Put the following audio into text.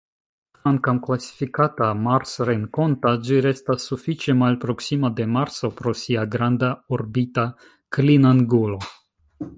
Kvankam klasifikata "marsrenkonta", ĝi restas sufiĉe malproksima de Marso pro sia granda orbita klinangulo.